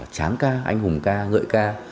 tráng ca anh hùng ca ngợi ca